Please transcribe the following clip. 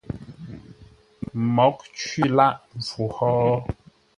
Mǒghʼ cwî lâʼ mpfu hó?